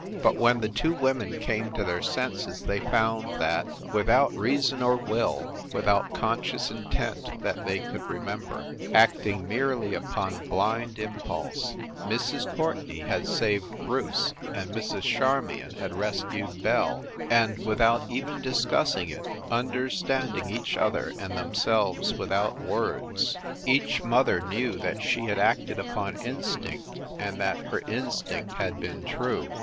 But, when the two women came to their senses they found that, without reason or will, without conscious intent that they could remember, acting merely upon blind impulse, Mrs. Courtenay had saved Bruce, and Mrs. Charmion had rescued Belle. And, without even discussing it, understand ing each other and themselves without words, each 342 FIND THE WOMAN mother knew that she had acted upon instinct, and that her instinct had been true.